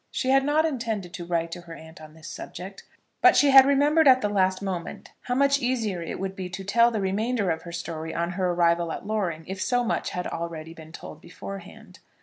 She had not intended to write to her aunt on this subject; but she had remembered at the last moment how much easier it would be to tell the remainder of her story on her arrival at Loring, if so much had already been told beforehand.